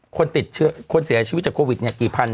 คนเสียชีวิตจากโควิทเนี่ยกี่พันนะ